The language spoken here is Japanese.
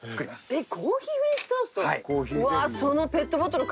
えっ！？